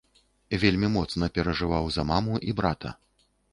Вельмі моцна перажываў за маму і брата.